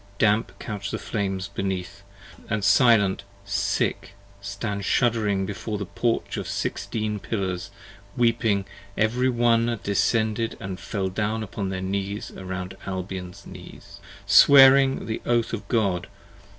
Damp couch the flames beneath, and silent, sick, stand shuddering Before the Porch of sixteen pillars: weeping every one Descended and fell down upon their knees round Albion's knees, Swearing the Oath of God!